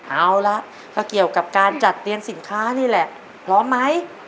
เอาละก็เกี่ยวกับการจัดเตรียมสินค้านี่แหละพร้อมไหม